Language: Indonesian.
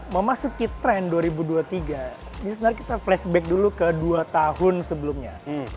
mau masuk ke tren dua ribu dua puluh tiga misalnya kita flashback dulu ke dua tahun sebelumnya